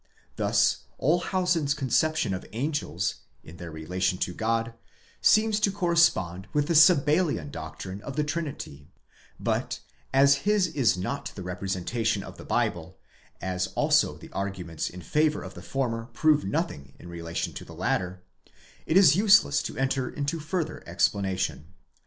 Thus Olshausen's conception of angels, in their relation to God, seems to correspond with the Sabellian doctrine of the Trinity ; but as his is not the representation of the Bible, as also the arguments in favour of the former prove nothing in relation to the latter, it is useless to enter into further explanation.